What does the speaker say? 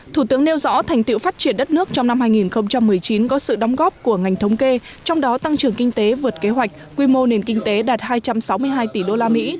thủ tướng nêu rõ thành tiệu phát triển đất nước trong năm hai nghìn một mươi chín có sự đóng góp của ngành thống kê trong đó tăng trưởng kinh tế vượt kế hoạch quy mô nền kinh tế đạt hai trăm sáu mươi hai tỷ usd